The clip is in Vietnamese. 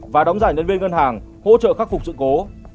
và đóng giải nhân viên ngân hàng hỗ trợ khắc phục sự cố